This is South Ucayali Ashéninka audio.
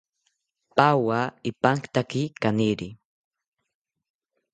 Pawa ipankitaki kaniri